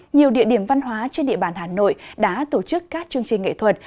nhiều địa điểm văn hóa trên địa bàn hà nội đã tổ chức các chương trình nghệ thuật